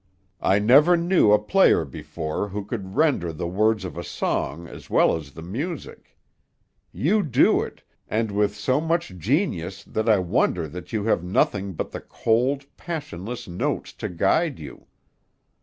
I never knew a player before who could render the words of a song as well as the music. You do it, and with so much genius that I wonder that you have nothing but the cold, passionless notes to guide you.